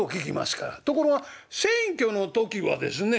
ところが選挙の時はですね